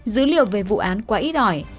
dữ liệu về vụ án quá ít đòi